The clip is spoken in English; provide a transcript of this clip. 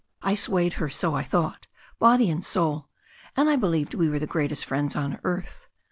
I swayed her, so I thought, body and soul, and I believed we were the g^reatest friends on earth.